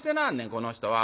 この人は。